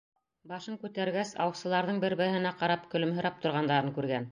Башын күтәргәс, аусыларҙың бер-береһенә ҡарап көлөмһөрәп торғандарын күргән.